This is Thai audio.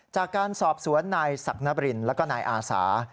จากการสอบสวนนายศักดิ์นบรินแล้วก็นายอาสา